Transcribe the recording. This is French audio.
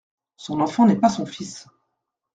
Son enfant n'est pas son fils.